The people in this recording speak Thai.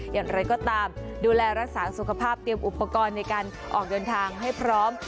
อย่างไรก็ตามดูแลรักษาสุขภาพเตรียมอุปกรณ์ในการออกเดินทางให้พร้อม